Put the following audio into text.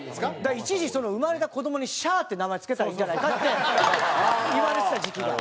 一時生まれた子どもに「西」って名前付けたらいいんじゃないかって言われてた時期が。